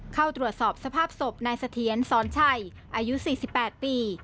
เข้าตรวจสอบสภาพศพนายเสถียรสอนชัยอายุ๔๘ปี